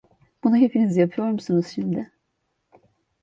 Bunu hepiniz yapıyor musunuz şimdi?